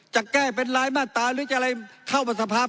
จะแก้เป็นรายมาตราหรือจะอะไรเข้ามาสภาพ